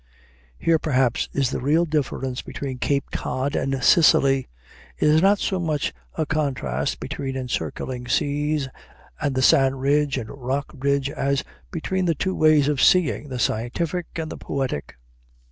Here, perhaps, is the real difference between Cape Cod and Sicily. It is not so much a contrast between encircling seas and the sand ridge and rock ridge as between the two ways of seeing, the scientific and the poetic.